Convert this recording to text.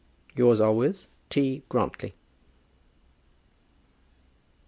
Yours always, T. GRANTLY.